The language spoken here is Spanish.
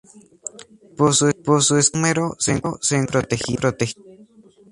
Por su escaso número, se encuentra protegida.